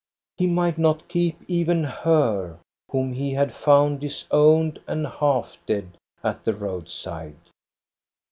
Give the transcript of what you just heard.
He might not keep even her whom he had found disowned and half dead at the roadside.